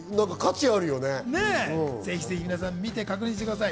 ぜひ皆さん見て確認してください。